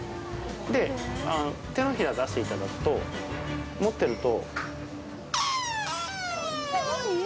手のひら出していただくと持ってると。